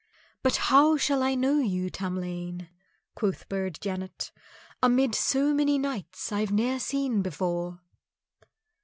"But how shall I know you, Tamlane?" quoth Burd Janet, "amid so many knights I've ne'er seen before?"